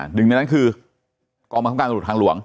หนึ่งในนั้นคือกองบังคับการตำรวจทางหลวง